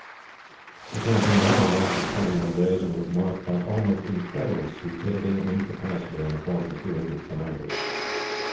"The campaign only lasted twenty one days, and was marked by almost incredible stupidity and incapacity on the part of the two English commanders.